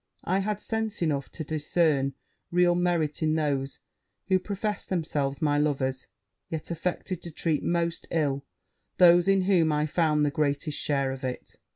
I have sense enough to discern real merit in those who professed themselves my lovers; yet affected to treat most ill those in whom I found the greatest share of it.